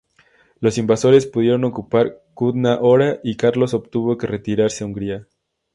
Los invasores pudieron ocupar Kutná Hora y Carlos tuvo que retirarse a Hungría.